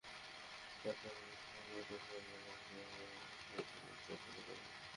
তদুপরি কয়েকটি স্থানে জেলা জজরা তাঁকে অনুসরণ করে সুফল পাচ্ছেন বলে জানি।